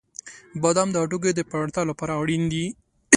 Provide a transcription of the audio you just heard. • بادام د هډوکو د پیاوړتیا لپاره اړین دي.